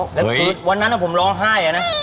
ฮุยแล้วคือวันนั้นนะผมร้องไห้เนี่ยนะ